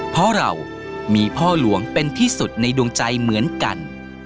เพราะเรามีพ่อหลวงเป็นที่สุดในดวงใจเหมือนกัน